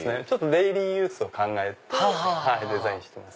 デイリーユースを考えてデザインしてます。